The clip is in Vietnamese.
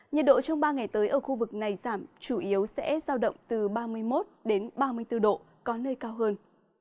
nhiệt độ trong ba ngày tới ở khu vực này giảm chủ yếu sẽ giao động từ ba mươi một ba mươi bốn độ có nơi cao hơn